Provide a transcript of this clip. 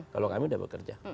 kalau kami sudah bekerja